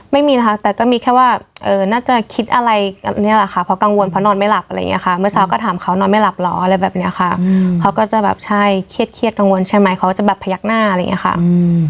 ไม่มีนะคะแต่ก็มีแค่ว่าน่าจะคิดอะไรอันนี้แหละค่ะเพราะกังวลเพราะนอนไม่หลับอะไรอย่างนี้ค่ะเมื่อเช้าก็ถามเขานอนไม่หลับเหรออะไรแบบเนี้ยค่ะเขาก็จะแบบใช่เครียดกังวลใช่ไหมเขาจะแบบพยักหน้าอะไรอย่างนี้ค่ะ